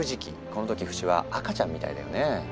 この時フシは赤ちゃんみたいだよね。